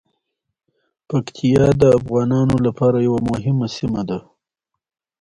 پکتیا د افغانانو لپاره یوه مهمه سیمه ده.